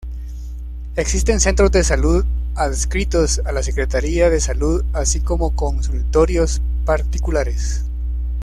Existen Centros de Salud adscritos a la Secretaría de Salud así como consultorios particulares.